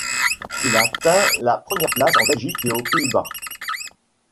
Il atteint la première place en Belgique et aux Pays-Bas.